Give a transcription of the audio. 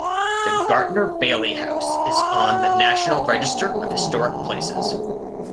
The Gardner-Bailey House is on the National Register of Historic Places.